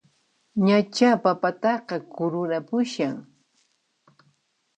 Ñachá papataqa kururanpushan!